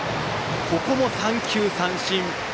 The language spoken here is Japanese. ここも三球三振。